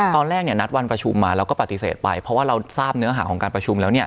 ตอนแรกเนี่ยนัดวันประชุมมาเราก็ปฏิเสธไปเพราะว่าเราทราบเนื้อหาของการประชุมแล้วเนี่ย